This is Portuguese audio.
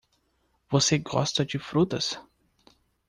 Você gosta de frutas?